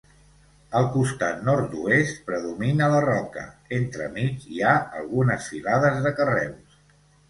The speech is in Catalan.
Al costat nord-oest predomina la roca; entremig hi ha algunes filades de carreus.